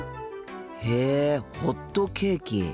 へえホットケーキ。